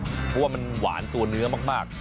เพราะว่ามันหวานตัวเนื้อมาก